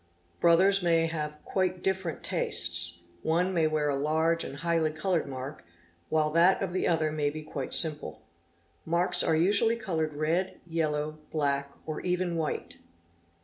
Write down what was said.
Brothers may have quite different tastes. One may wear a large and highly coloured mark while that of the other may be quite simple. Marks are usually coloured red, yellow, black, or even white.